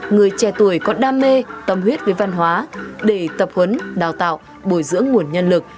người trẻ tuổi có đam mê tâm huyết với văn hóa để tập huấn đào tạo bồi dưỡng nguồn nhân lực